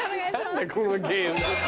何だこのゲーム。